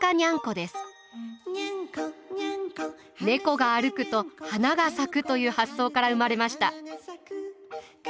猫が歩くと花が咲くという発想から生まれました。